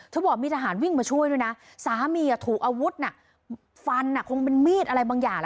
บอกมีทหารวิ่งมาช่วยด้วยนะสามีถูกอาวุธน่ะฟันคงเป็นมีดอะไรบางอย่าง